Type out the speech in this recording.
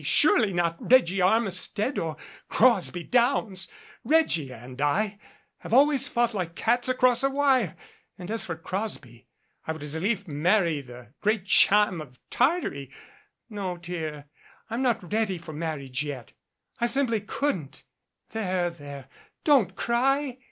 Surely not Reggie Armistead or Crosby Downs ! Reggie and I have always fought like cats across a wire, and as for Crosby I would as lief marry the great Cham of Tartary. No, dear, I'm not ready for marriage yet. I simply couldn't. There, there, don't cry.